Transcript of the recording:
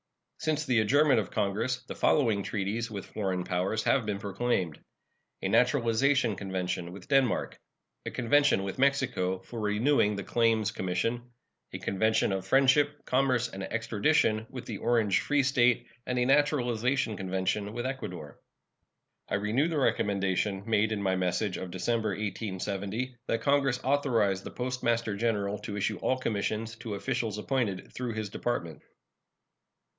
Since the adjournment of Congress the following treaties with foreign powers have been proclaimed: A naturalization convention with Denmark; a convention with Mexico for renewing the Claims Commission; a convention of friendship, commerce, and extradition with the Orange Free State, and a naturalization convention with Ecuador. I renew the recommendation made in my message of December, 1870, that Congress authorize the Postmaster General to issue all commissions to officials appointed through his Department.